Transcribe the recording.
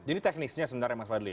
jadi apa teknisnya sebenarnya mas wadli